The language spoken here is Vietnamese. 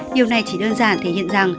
điều này chỉ đơn giản thể hiện rằng